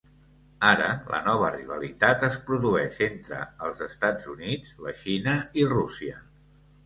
Ara, la nova rivalitat es produeix entre els Estats Units, la Xina i Rússia.